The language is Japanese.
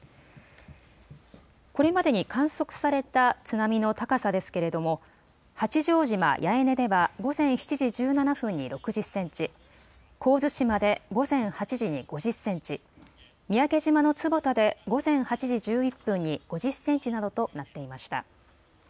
これまでに観測された津波の高さですけれども八丈島八重根では午前７時１７分に６０センチ、神津島で午前８時に５０センチ、三宅島の坪田で午前８時１１分に５０センチなどとなっていました。